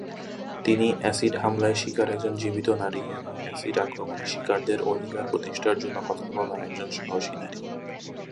তিনি অ্যাসিড হামলায় শিকার একজন জীবিত নারী এবং অ্যাসিড আক্রমণে শিকারদের অধিকার প্রতিষ্ঠার জন্য কথা বলা একজন সাহসী নারী।